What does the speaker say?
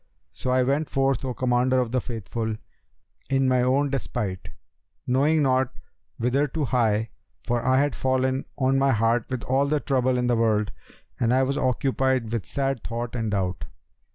So I went forth, O Commander of the Faithful, in my own despite, knowing not whither to hie, for had fallen on my heart all the trouble in the world and I was occupied with sad thought and doubt.